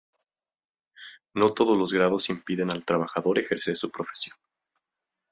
No todos los grados impiden al trabajador ejercer su profesión.